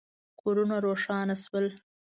کورونه روښانه شول.